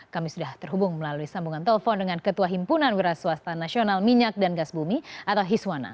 kami sudah terhubung melalui sambungan telepon dengan ketua himpunan wira swasta nasional minyak dan gas bumi atau hiswana